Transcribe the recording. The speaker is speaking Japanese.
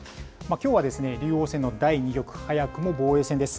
きょうはですね、竜王戦の第２局、早くも防衛戦です。